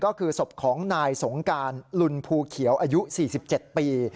ก็คือศพของนายสงการลุนภูเขียวอายุ๔๗ปี